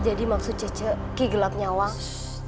jadi maksud cece kigelap nyawang